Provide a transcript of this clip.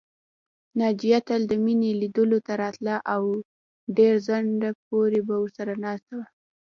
ناجیه تل د مينې لیدلو ته راتله او ډېر ځنډه به ورسره ناسته وه